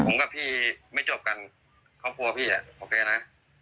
ผมกับพี่ไม่จบกันครอบครัวพี่อ่ะโอเคนะ